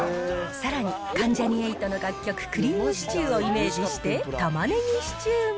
さらに、関ジャニ∞の楽曲、クリームシチューをイメージして、玉ねぎシチューも。